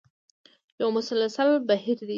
یو مسلسل بهیر دی.